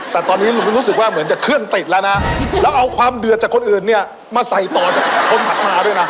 แต่ตอนนี้ลุงรู้สึกว่าเหมือนจะเครื่องติดแล้วนะแล้วเอาความเดือดจากคนอื่นเนี่ยมาใส่ต่อจากคนถัดมาด้วยนะ